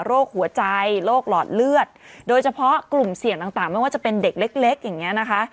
โรคหัวใจโรคหลอดเลือดโดยเฉพาะกลุ่มเสี่ยงต่างไม่ว่าจะเป็นเด็กเล็กอย่างนี้นะคะ